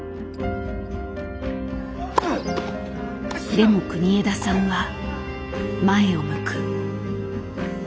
でも国枝さんは前を向く。